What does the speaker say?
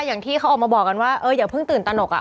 อย่างที่เขาออกมาบอกกันว่าอย่าเพิ่งตื่นตนก